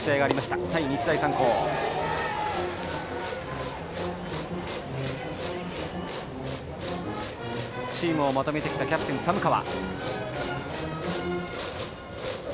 バッターはチームをまとめてきたキャプテン、寒川。